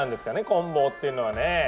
こん棒っていうのはね。